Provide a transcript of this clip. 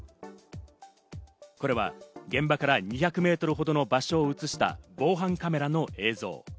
これは現場から２００メートルほどの場所を映した防犯カメラの映像。